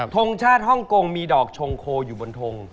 ทงชาติฮ่องกงมีดอกชงโคอยู่บนทง